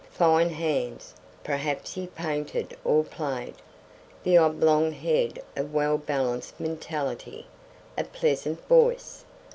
Fine hands; perhaps he painted or played. The oblong head of well balanced mentality. A pleasant voice.